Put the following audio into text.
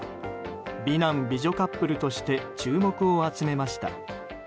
美男美女カップルとして注目を集めました。